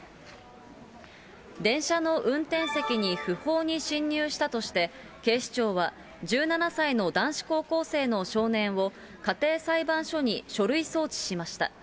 電車の運転席に不法に侵入したとして、警視庁は１７歳の男子高校生の少年を、家庭裁判所に書類送致しました。